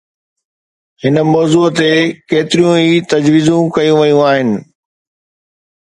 هن موضوع تي ڪيتريون ئي تجويزون ڪيون ويون آهن.